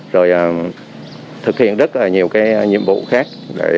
rồi thực hiện rất nhiều cái nhiệm vụ khác